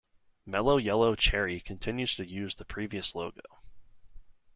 Mello Yello Cherry continues to use the previous logo.